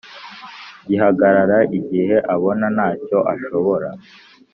Gihagarara igihe abona ntacyo ashobora